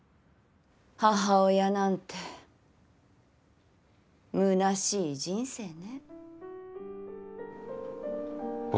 母親なんてむなしい人生ね。